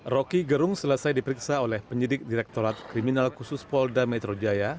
roky gerung selesai diperiksa oleh penyidik direktorat kriminal khusus polda metro jaya